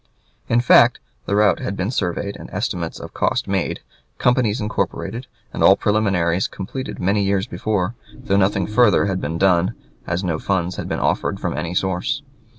In fact, the route had been surveyed, and estimates of cost made, companies incorporated, and all preliminaries completed many years before, though nothing further had been done, as no funds had been offered from any source.